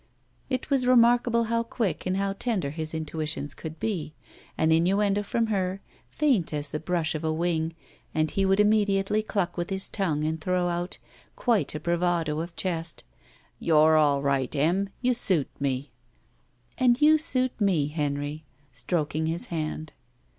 It was remarkable how quick and how tender his intuitions could be. An innuendo from her, faint as the brush of a wing, and he would immediately cluck with his tongue and throw out ^ quite a bravado of chest. You're all right, Em. You suit me." i88 i A GUILTY "And you suit me, Henry/* stroking his hand.